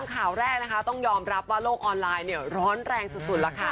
ข่าวแรกนะคะต้องยอมรับว่าโลกออนไลน์เนี่ยร้อนแรงสุดแล้วค่ะ